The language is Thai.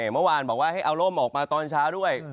เมื่อวานบอกว่าให้เอาร่มออกมาตอนเช้าด้วย